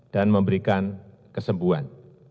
dan memberikan kesembuhan